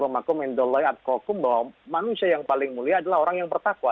manusia yang paling mulia adalah orang yang bertakwa